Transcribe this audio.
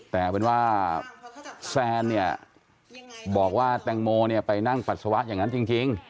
แต่เป็นว่าแซนเนี่ยบอกว่าแตงโมเนี่ยไปนั่งปัสสาวะอย่างนั้นจริง